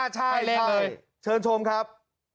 ใช่เชิญชมครับ